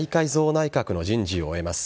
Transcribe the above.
内閣の人事を終えます。